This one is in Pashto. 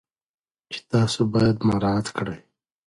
چې تاسو باید مراعات کړئ.